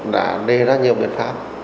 đã đề ra nhiều biện pháp